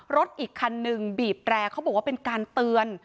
รถอีกคันหนึ่งบีบแตรเขาบอกว่าเป็นการเตือน